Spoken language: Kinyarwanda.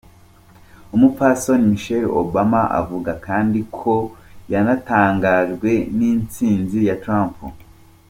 Umupfasoni Michelle Obama avuga kandi ko yanatangajwe n'intsinzi ya Trump.